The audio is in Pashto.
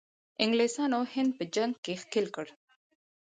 انګلیسانو هند په جنګ کې ښکیل کړ.